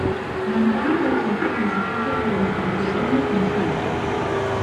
Lamadrid rechazo los ataques de los santiagueños en Salta.